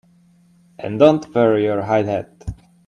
And don't wear your high hat!